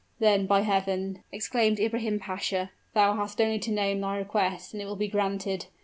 "Then, by Heaven!" exclaimed Ibrahim Pasha, "thou hast only to name thy request, and it will be granted.